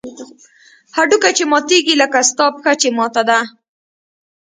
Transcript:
هډوکى چې ماتېږي لکه ستا پښه چې ماته ده.